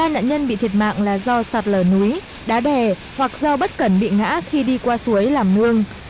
hai nạn nhân bị thiệt mạng là do sạt lở núi đá bè hoặc do bất cẩn bị ngã khi đi qua suối làm nương